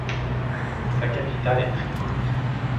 Sa capitale est Tripoli.